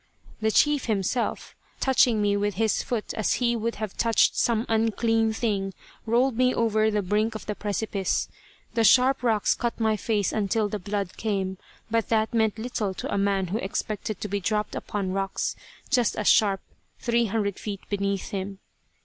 The chief himself, touching me with his foot as he would have touched some unclean thing, rolled me over the brink of the precipice. The sharp rocks cut my face until the blood came, but that meant little to a man who expected to be dropped upon rocks just as sharp three hundred feet beneath him.